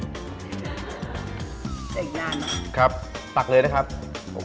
เพราะฉะนั้นถ้าใครอยากทานเปรี้ยวเหมือนโป้แตก